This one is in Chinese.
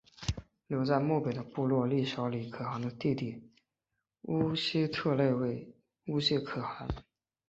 留在漠北的部落立昭礼可汗的弟弟乌希特勒为乌介可汗。